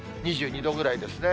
２２度ぐらいですね。